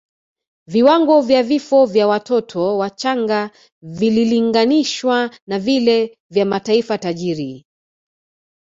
Viwango vya vifo vya watoto wachanga vililinganishwa na vile vya mataifa tajiri